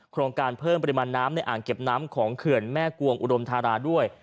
โครงการเพิ่มปริมาณน้ำในอ่างเก็บน้ำของเขื่อนแม่กวงอุดมธาราด้วย